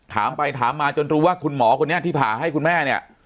ถามไปถามมาจนรู้ว่าคุณหมอคนนี้ที่ผ่าให้คุณแม่เนี่ย